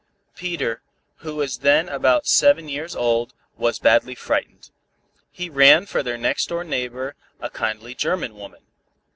Peter, who was then about seven years old, was badly frightened. He ran for their next door neighbor, a kindly German woman.